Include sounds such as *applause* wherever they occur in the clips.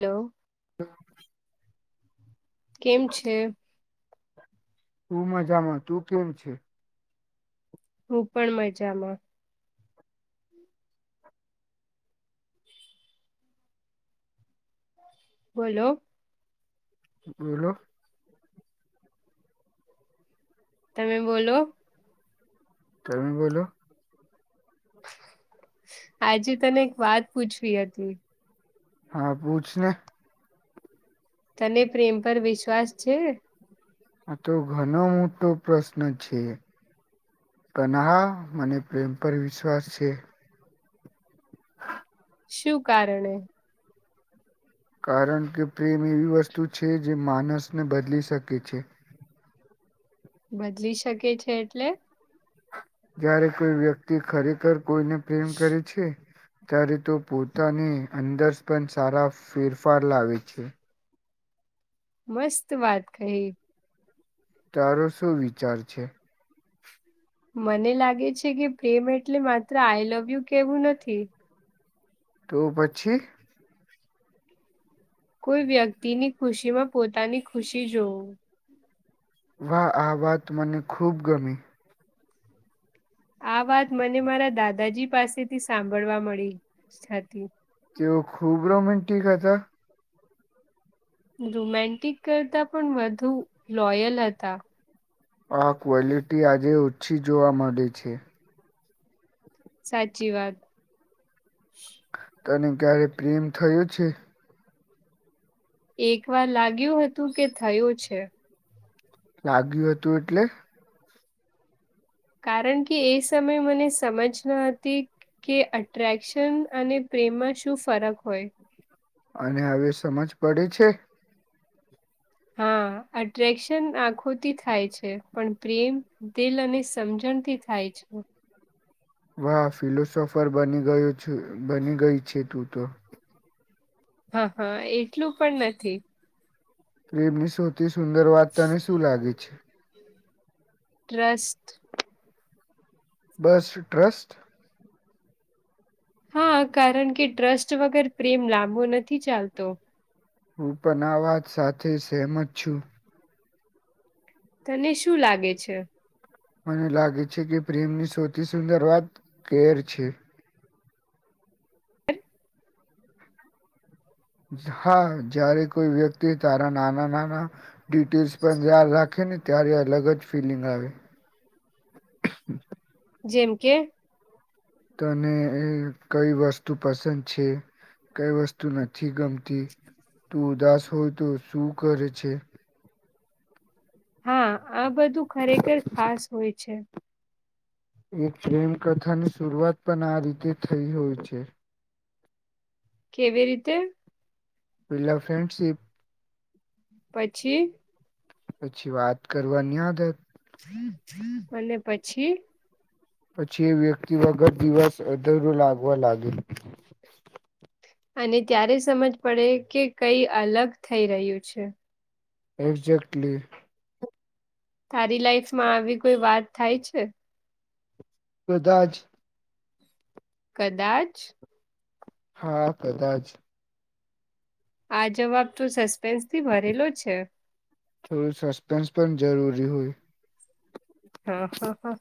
Hello. *unintelligible* કેમ છે. હું મજામાં, તું કેમ છે. હું પણ મજામાં. બોલો. બોલો. તમે બોલો. તમે બોલો. આજે તને એક વાત પૂછવી હતી. હા પૂછને. તને પ્રેમ પર વિશ્વાસ છે. આ તો ઘણો મોટો પ્રશ્ન છે. પણ હા મને પ્રેમ પર વિશ્વાસ છે. *unintelligible* *inaudible* શું કારણે કારણ કે પ્રેમ એવી વસ્તુ છે જે માનસને બદલી શકે છે. બદલી શકે છે એટલે જયારે કોઈ વ્યક્તિ ખરેખર કોઈને પ્રેમ કરે છે. ત્યારે તો પોતાની અંદર પણ સારા ફેરફાર લાવે છે. મસ્ત વાત કહી, તારો શું વિચાર છે? મને લાગે છે કે પ્રેમ એટલે માત્ર આઈ લવ યુ કેવું નથી. તો પછી, કોઈ વ્યક્તિની ખુશીમાં પોતાની ખુશી જોવું. વાહ આ વાત મને ખુબ ગમી આ વાત મને મારા દાદાજી પાસેથી સાંભળવા મળી સાથી તેઓ ખૂબ રોમેન્ટિક હતા રોમેન્ટિક કરતા પણ વધુ લોયલ હતા આ ક્વોલિટી આજે ઓછી જોવા મળે છે સાચી વાત તને ક્યારે પ્રેમ થયું છે એક વાર લાગ્યું હતું કે થયો છે લાગ્યું હતું એટલે કારણ કે એ સમયે મને સમજ ન હતી કે અટ્રેક્શન અને પ્રેમમાં શું ફરક હોય અને હવે સમજ પડે છે હા અટ્રેક્શન આંખોથી થાય છે પણ પ્રેમ દિલ અને સમજણથી થાય છે *inaudible* વાહ ફિલોસોફર બની ગયો છું બની ગઈ છે તું તો હા હા એટલું પણ નથી પ્રેમની સૌથી સુંદર વાત તને શું લાગે છે? ટ્રસ્ટ. બસ ટ્રસ્ટ? હા કારણ કે ટ્રસ્ટ વગર પ્રેમ લાંબો નથી ચાલતો હું પણ આ વાત સાથે સહેમત છું તને શું લાગે છે મને લાગે છે કે પ્રેમની સૌથી સુંદર વાત કેર છે હા જ્યારે કોઈ વ્યક્તિ તે તારા નાના નાના ડિટેલ્સ પણ ધ્યાન રાખે ને ત્યારે અલગ જ ફીલિંગ આવે જેમ કે તને એ કઈ વસ્તુ પસંદ છે કઈ વસ્તુ નથી ગમતી તું ઉદાસ હોય તો શું કરે છે હા આ બધું ખરેખર ખાસ હોય છે એક પ્રેમકથાની શરૂઆત પણ આ રીતે થઈ હોય છે કેવી રીતે પેલા ફ્રેન્ડશિપ પછી પછી વાત કરવાની આદત અને પછી પછી એ વ્યક્તિ વગર દિવસ અધૂરું લાગવા લાગે અને ત્યારે સમજ પડે કે કઈ અલગ થઈ રહ્યું છે એક્ઝેક્ટલી તારી લાઈફમાં આવી કોઈ વાત થાય છે? કદાચ. કદાચ. હા કદાચ. આ જવાબ તો સસ્પેન્સથી ભરેલો છે. થોડું સસ્પેન્સ પણ જરૂરી હોય. હા હા હા.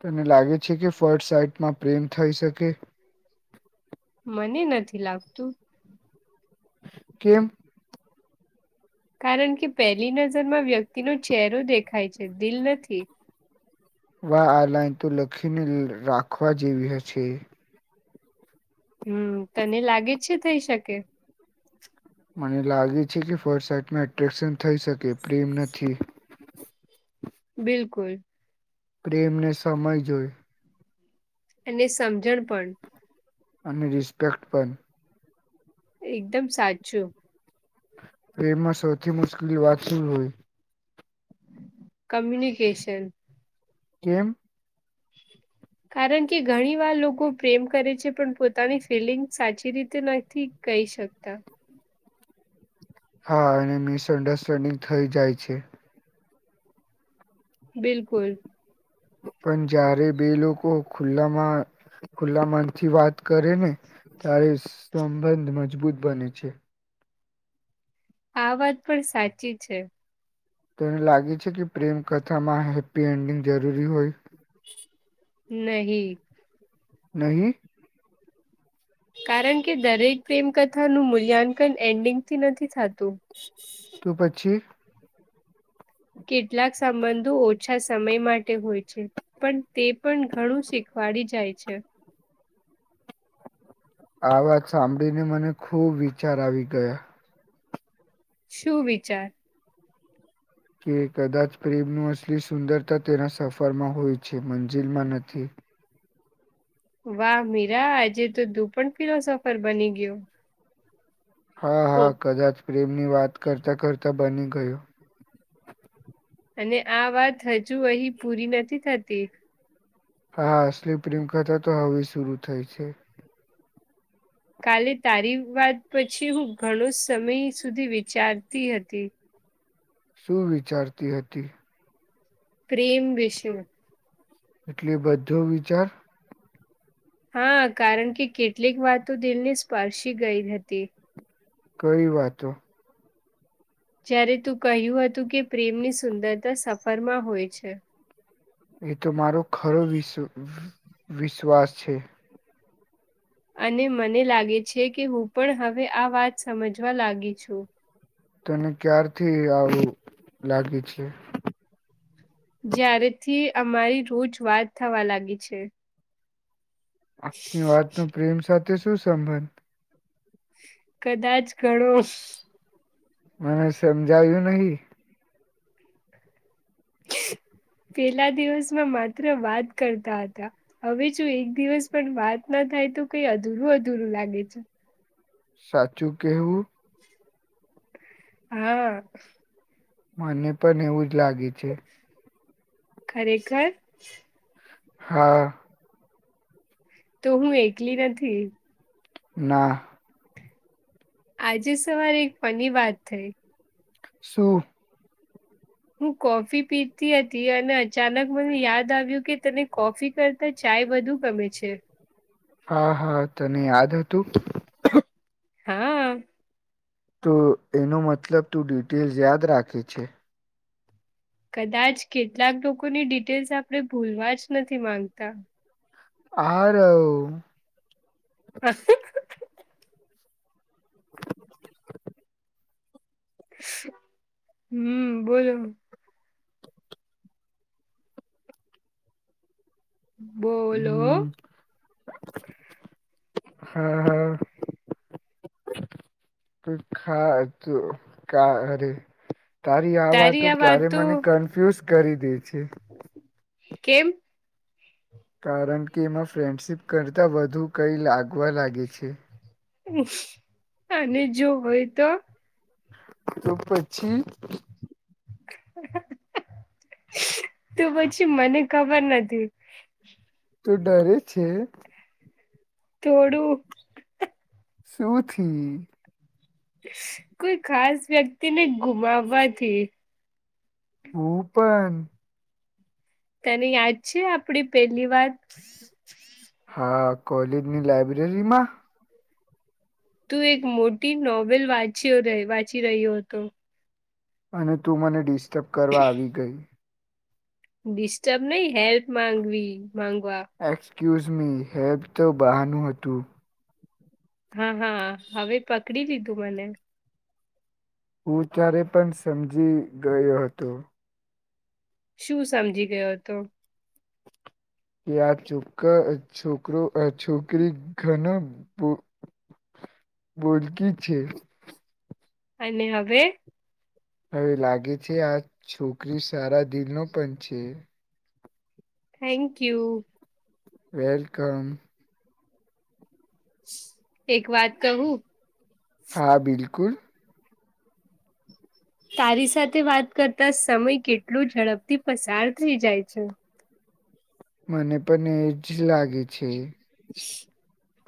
તને લાગે છે કે ફર્ટ સાઇટમાં પ્રેમ થઈ શકે? મને નથી લાગતું. કેમ? કારણ કે પહેલી નજરમાં વ્યક્તિનો ચહેરો દેખાય છે દિલ નથી. વા આ લઇન તો લખીને રાખવા જેવી હ છે. હમ તને લાગે છે થઈ શકે? મને લાગે છે કે ફર્ટ સાઇટમાં એટ્રેક્શન થઈ શકે પ્રેમ નથી. બિલકુલ. પ્રેમને સમય જોઈ? એને સમજણ પણ. અને રિસ્પેક્ટ પણ. એકદમ સાચું. પ્રેમમાં સૌથી મુશ્કેલી વાત શું હોય? કમ્યુનિકેશન. કેમ? કારણ કે ઘણી વાર લોકો પ્રેમ કરે છે પણ પોતાની ફિલિંગ સાચી રીતે નથી કહી શકતા. હા અને મિસઅન્ડરસ્ટેન્ડિંગ થઇ જાય છે. બિલકુલ. પણ જયારે બે લોકો ખુલ્લામાં ખુલ્લા મન થી વાત કરે ને તારે સંબંધ મજબૂત બને છે આ વાત પણ સાચી છે તને લાગે છે કે પ્રેમ કથામાં હેપ્પી એન્ડિંગ જરૂરી હોય નહી નહી? કારણ કે દરેક પ્રેમકથાનું મૂલ્યાંકન એન્ડિંગથી નથી થાતું. તો પછી? કેટલાક સંબંધો ઓછા સમય માટે હોય છે પણ તે પણ ઘણું શીખવા પાડી જાય છે. આ વાત સાંભળીને મને ખુબ વિચાર આવી ગયા. શું વિચાર? કે કદાચ પ્રેમનું અસલી સુંદરતા તેના સફરમાં હોય છે મંજિલમાં નથી. વાહ મીરા આજે તો તું પણ ફિલોસફર બની ગયો. હા હા ઓ કદાચ પ્રેમની વાત કરતા કરતા બની ગયો. અને આ વાત હજુ અહી પૂરી નથી થતી. હા અસલી પ્રેમ કથા તો હવે શરુ થાય છે. કાલે તારી વાત પછી હું ઘણો સમય સુધી વિચારતી હતી. શું વિચારતી હતી? પ્રેમ વિશેમાં. એટલે બધો વિચાર હા કારણ કે કેટલીક વાતો દિલને સ્પર્શી ગઈ હતી. કઈ વાતો? જ્યારે તું કહ્યું હતું કે પ્રેમની સુંદરતા સફરમાં હોય છે. એ તો મારો ખરો વિશ વિશ્વાસ છે. અને મને લાગે છે કે હું પણ હવે આ વાત સમજવા લાગી છું તને ક્યારથી આવું લાગે છે જ્યારેથી અમારી રોજ વાત થવા લાગી છે આપની વાતનો પ્રેમ સાથે શું સંબંધ કદાચ ઘણો મને સમજાવ્યું નહીં *inaudible* પેલા દિવસમાં માત્ર વાત કરતા હતા હવે જો એક દિવસ પણ વાત ના થાય તો કઈ અધૂરું અધુરું લાગે છે સાચું કેવું હા. મને પણ એવું જ લાગે છે. ખરેખર. હા. તો હું એકલી નથી. ના. આજે સવારે એક ફની વાત થઈ. શું? હું, કોફી પીતી હતી અને અચાનક મને યાદ આવ્યું કે, તને કોફી કરતા ચા એ વધુ ગમે છે. હા હા, તને યાદ હતું? હા. તો એનો મતલબ તું ડિટેલ યાદ રાખે છે. કદાચ કેટલાક લોકોની ડિટેલ્સ આપણે ભૂલવા જ નથી માંગતા. હારવ. હસને. *inaudible* હમ બોલો બોલો. હમ હા હા. ખાધુ કયારે? તારી આ વાતો ક્યારે મને કન્ફ્યુઝ કરી દે છે. કેમ? કારણ કે, એમાં ફ્રેન્ડશિપ કરતાં વધુ કંઈ લાગવા લાગે છે. અને જો હોય તો તો પછી તો પછી મને ખબર નથી. તું ડરે છે? થોડું. શું થીયું? કોઈ ખાસ વ્યક્તિને ગુમાવવાથી ઉપર તને યાદ છે આપડી પેલી વાત હા, કોલેજની લાઈબ્રેરીમાં તું એક મોટી નોવેલ વાંચ્યો, વાંચી રહ્યો હતો. અને તું મને ડિસ્ટર્બ કરવા આવી ગઈ. ડિસ્ટર્બ નહી હેલ્પ માંગવી માંગવા આવી. ક્યુઝમી હેબ તો બહાનું હતું. હા હા હવે પકડી લીધું મને ઉચારે પણ સમજી ગયો હતો. શું સમજી ગયો હતો ત્યા છોક છોકરો છોકરી ઘણા બોળકી છે. અને હવે હવે લાગે છે આ છોકરી સારા દિલનો પણ છે. Thank you. વેલકમ. એક વાત કહું. હા બિલકુલ. તારી સાથે વાત કરતા સમય કેટલો ઝડપથી પસાર થઈ જાય છે. મને પણ એજ લાગે છે.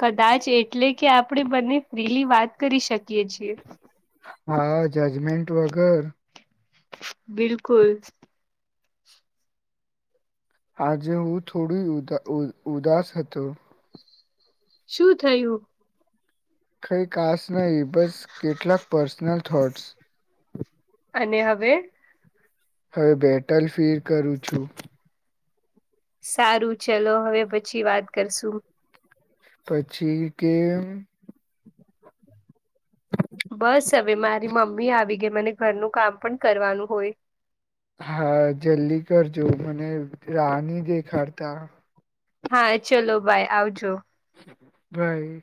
કદાચ એટલે કે આપણેે બને ફ્રીલી વાત કરી શકીએ છીએ. હા જજમેન્ટ વગર બિલકુલ. આજે હું થોડો ઉદ ઉદાસ હતો. શું થયું કઈ ખાસ નહી બસ કેટલાક પર્સનલ થોટ્સ. અને હવે હવે બેટલ ફીર કરું છું. સારું ચલો હવે પછી વાત કરશું. પછી કે બસ હવે મારી મમ્મી આવી ગઈ મને ઘરનું કામ પણ કરવાનું હોય. હા જલ્દી કરજો મને રાહની દેખાડતા. હા ચલો ભાય આવજો. બાઈ.